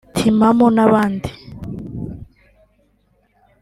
Timamu n’abandi